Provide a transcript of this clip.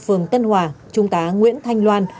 phường tân hòa trung tá nguyễn thanh loan